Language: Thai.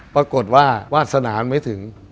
ปรากฏว่าวาสนาไม่ถึง